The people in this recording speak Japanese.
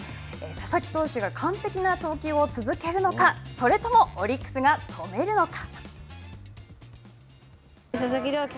佐々木投手が完璧な投球を続けるのかそれともオリックスが止めるのか。